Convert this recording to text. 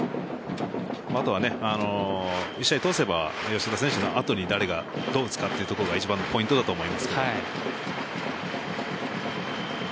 あとは１試合通せば吉田選手の後に誰がどう打つかというところが一番のポイントだと思います。